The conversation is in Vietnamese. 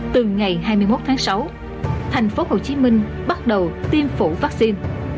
từ ngày hai mươi một tháng sáu tp hcm bắt đầu tiêm phủ vaccine